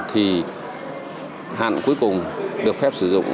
thì hạn cuối cùng được phép sử dụng